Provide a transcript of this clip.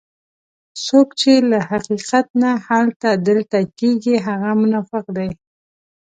څوک چې له حقیقت نه هلته دلته کېږي هغه منافق دی.